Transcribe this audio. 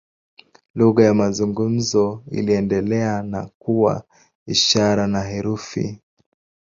Lugha ya mazungumzo iliendelea na kuwa ishara na herufi.